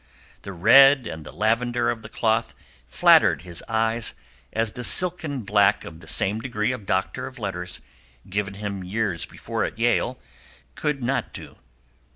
The red and the lavender of the cloth flattered his eyes as the silken black of the same degree of Doctor of Letters, given him years before at Yale, could not do.